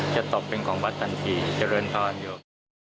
ตกเป็นของวัดทันทีเจริญพรอยู่